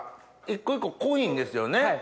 一個一個濃いんですよね。